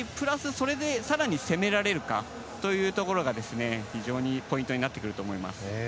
それで更に攻められるかというところが非常にポイントになってくると思います。